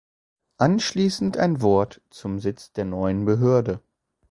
Abschließend ein Wort zum Sitz der neuen Behörde.